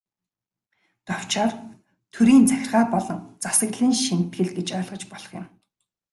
Товчоор, төрийн захиргаа болон засаглалын шинэтгэл гэж ойлгож болох юм.